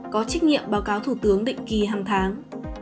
có trích nghiệm báo cáo thủ tướng định kỳ hàng tháng